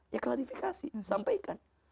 ya klarifikasi sampaikan